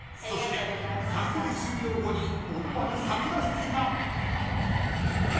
そして撮影終了後に思わぬサプライズが。